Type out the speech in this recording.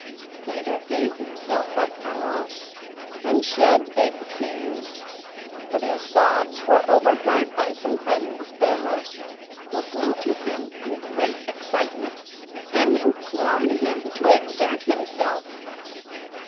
Peter gave himself up for lost, and shed big tears; but his sobs were overheard by some friendly sparrows, who flew to him in great excitement, and implored him to exert himself.